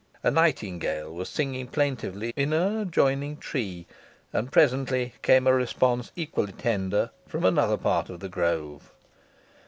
A nightingale was singing plaintively in an adjoining tree, and presently came a response equally tender from another part of the grove.